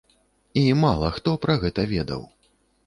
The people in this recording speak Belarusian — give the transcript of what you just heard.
І мала хто пра гэта ведаў.